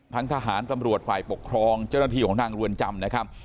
ทั้งทหารตำรวจฝ่ายปกครองเจ้าหน้าที่ของทางเรือนจำนะครับ